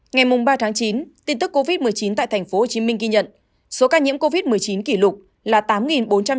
ngày ba chín tin tức covid một mươi chín tại tp hcm ghi nhận số ca nhiễm covid một mươi chín kỷ lục là tám bốn trăm tám mươi ca